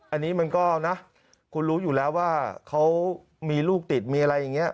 อันนี้มันก็นะคุณรู้อยู่แล้วว่าเขามีลูกติดมีอะไรอย่างนี้